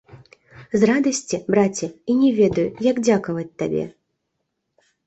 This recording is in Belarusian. З радасці, браце, і не ведаю, як дзякаваць табе.